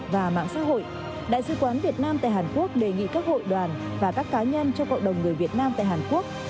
và mạng xã hội đại sứ quán việt nam tại hàn quốc đề nghị các hội đoàn và các cá nhân cho cộng đồng người việt nam tại hàn quốc